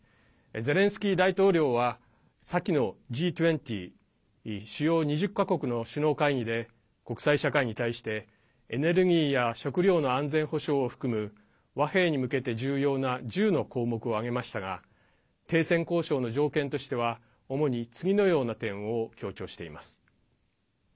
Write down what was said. ゼレンスキー大統領は先のＧ２０＝主要２０か国の首脳会議で国際社会に対してエネルギーや食料の安全保障を含む和平に向けて重要な１０の項目を挙げましたが停戦交渉の条件としては主に次のような点を強調しています。